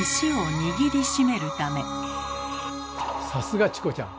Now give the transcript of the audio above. さすがチコちゃん！